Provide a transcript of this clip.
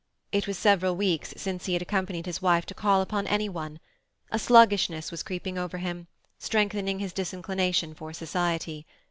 It was several weeks since he had accompanied his wife to call upon any one; a sluggishness was creeping over him, strengthening his disinclination for society.